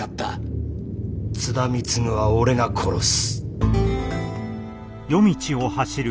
津田貢は俺が殺す。